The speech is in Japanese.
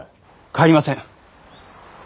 帰りません。